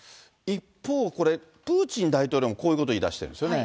一方、これ、プーチン大統領もこういうことを言いだしてるんですよね。